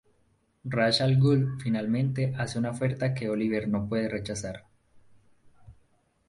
Ra's al Ghul finalmente hace una oferta que Oliver no puede rechazar.